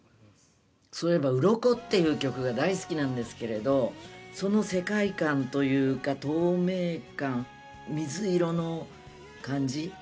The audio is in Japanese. そういえば『鱗』っていう曲が大好きなんですけれどその世界観というか透明感水色の感じ。